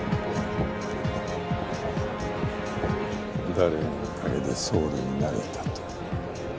誰のおかげで総理になれたと？